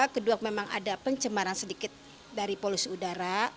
kedua memang ada pencemaran sedikit dari polusi udara